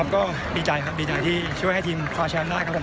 ก็ดีใจครับดีใจที่ช่วยให้ทีมคว้าแชมป์ได้ครับผม